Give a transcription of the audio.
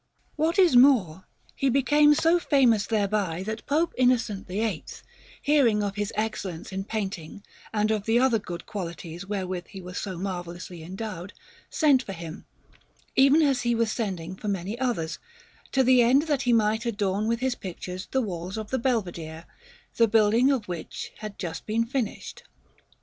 Milan: Brera, 198_) Alinari] What is more, he became so famous thereby that Pope Innocent VIII, hearing of his excellence in painting and of the other good qualities wherewith he was so marvellously endowed, sent for him, even as he was sending for many others, to the end that he might adorn with his pictures the walls of the Belvedere, the building of which had just been finished.